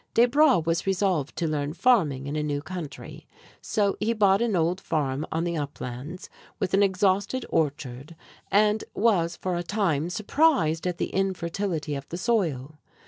Desbra was resolved to learn farming in a new country, so he bought an old farm on the uplands, with an exhausted orchard, and was for a time surprised at the infertility of the soil.